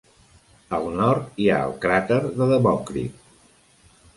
Al nord hi ha el cràter de Demòcrit.